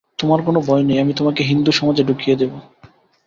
তোমার কোনো ভয় নেই, আমি তোমাকে হিন্দুসমাজে ঢুকিয়ে দেব।